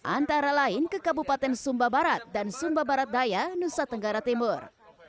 antara lain ke kabupaten sumba barat dan sumba barat daya nusa tenggara timur